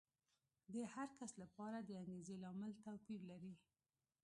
د هر کس لپاره د انګېزې لامل توپیر لري.